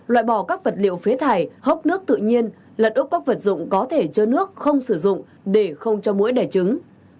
loại bỏ các vật liệu phế thải hốc nước tự nhiên lật úc các vật dụng có thể chứa nước không sử dụng để không cho mũi đẻ trứng